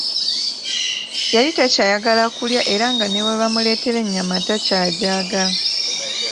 Yali takyayagala kulya era nga ne bwe bamuleetera ennyama takyajagala.